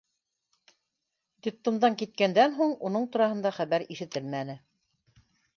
Детдомдан киткәндән һуң уның тураһында хәбәр ишетелмәне.